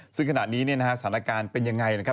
ซึ่งขณะนี้สถานการณ์เป็นอย่างไรนะครับ